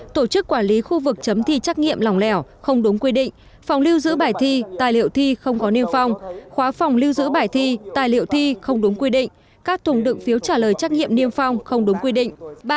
tổ chức quản lý khu vực chấm thi trắc nghiệm lỏng lẻo không đúng quy định phòng lưu giữ bài thi tài liệu thi không có niêm phong khóa phòng lưu giữ bài thi tài liệu thi không đúng quy định các thùng đựng phiếu trả lời trắc nghiệm niêm phong không đúng quy định